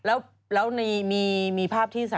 เพราะว่าตอนนี้ก็ไม่มีใครไปข่มครูฆ่า